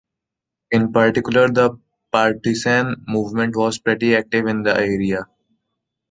In particular, the partisan movement was pretty active in the area.